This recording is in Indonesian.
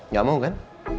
gak mau kan